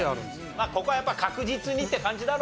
まあここはやっぱ確実にって感じだろうね。